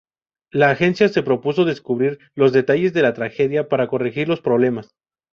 La agencia se propuso descubrir los detalles de la tragedia, para corregir los problemas.